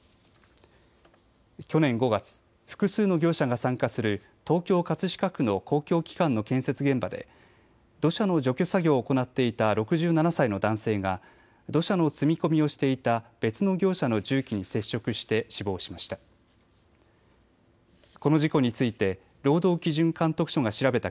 去年５月、複数の業者が参加する東京葛飾区の公共機関の建設現場で土砂の除去作業を行っていた６７歳の男性が土砂の積み込みをしていた別の業者の重機に接触して死亡しました。